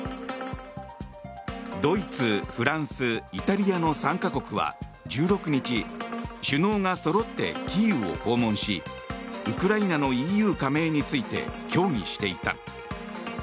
ドイツ、フランス、イタリアの３か国は１６日首脳がそろってキーウを訪問しウクライナのＥＵ加盟について協議していた。